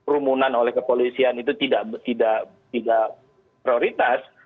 rumunan oleh kepolisian itu tidak prioritas